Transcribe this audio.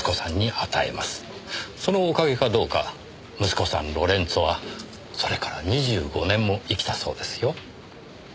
そのおかげかどうか息子さんロレンツォはそれから２５年も生きたそうですよ。